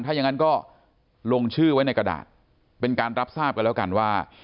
ถ้าอย่างนั้นก็ลงชื่อไว้ในกระดาษเป็นการรับทราบกันแล้วกันว่า